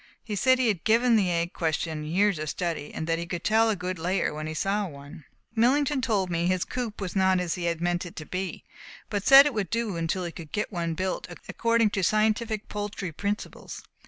He said he had given the egg question years of study, and that he could tell a good egger when he saw one. [Illustration: 135] Millington told me his coop was not as he had meant it to be, but said it would do until he could get one built according to scientific poultry principles.